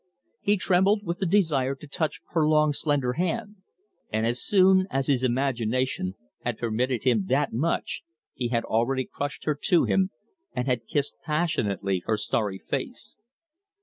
He trembled with the desire to touch her long slender hand, and as soon as his imagination had permitted him that much he had already crushed her to him and had kissed passionately her starry face.